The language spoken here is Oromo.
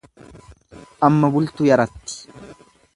Amma bultu yaratti.